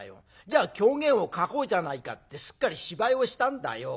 じゃあ狂言を書こうじゃないかってすっかり芝居をしたんだよ。